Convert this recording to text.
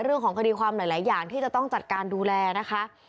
เรื่องของคดีความหลายอย่างที่จะต้องจัดการดูแลนะคะ